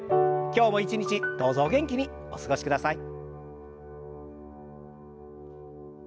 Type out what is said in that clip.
今日も一日どうぞお元気にお過ごしください。